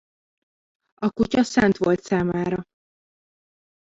A kutya szent volt számára.